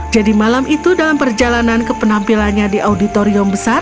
jadi malam itu dalam perjalanan ke penampilannya di auditorium besar